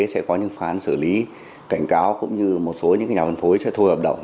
sẽ có những phán xử lý cảnh cáo cũng như một số những nhà phân phối sẽ thu hợp đồng